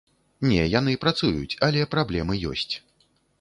Не, яны працуюць, але праблемы ёсць.